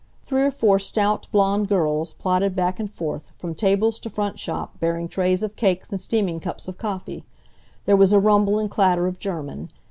Three or four stout, blond girls plodded back and forth, from tables to front shop, bearing trays of cakes and steaming cups of coffee. There was a rumble and clatter of German.